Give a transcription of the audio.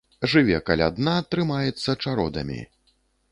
Жыве каля дна, трымаецца чародамі.